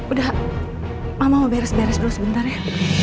udah mama mau beres beres dulu sebentar ya